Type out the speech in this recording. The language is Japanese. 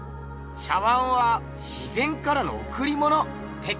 茶碗は自然からのおくりものってか？